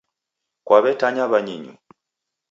Kwaw'etanya w'anyinyu